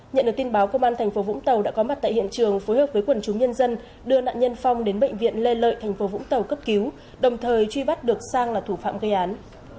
nhận được tin báo công an tp vũng tàu đã có mặt tại hiện trường phối hợp với quần chúng nhân dân đưa nạn nhân phong đến bệnh viện lê lợi thành phố vũng tàu cấp cứu đồng thời truy bắt được sang là thủ phạm gây án